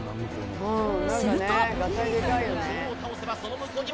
すると。